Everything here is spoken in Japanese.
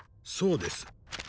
そうです。